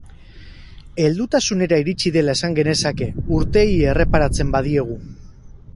Heldutasunera iritsi dela esan genezake, urteei erreparatzen badiegu.